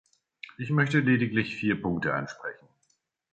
Ich möchte lediglich vier Punkte ansprechen.